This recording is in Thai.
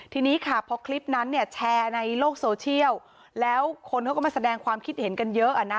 ทีนี้ค่ะพอคลิปนั้นเนี่ยแชร์ในโลกโซเชียลแล้วคนเขาก็มาแสดงความคิดเห็นกันเยอะอ่ะนะ